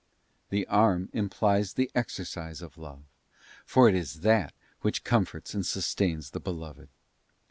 The arm implies the exercise of love, for it is that which comforts and sustains the Beloved.